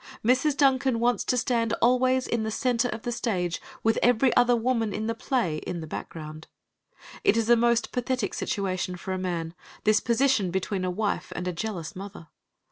Mrs. Duncan wants to stand always in the centre of the stage, with every other woman in the play in the background. It is a most pathetic situation for a man, this position between a wife and a jealous mother.